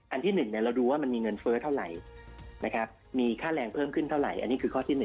ที่๑เราดูว่ามันมีเงินเฟ้อเท่าไหร่นะครับมีค่าแรงเพิ่มขึ้นเท่าไหร่อันนี้คือข้อที่๑